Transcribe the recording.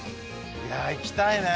いやいきたいね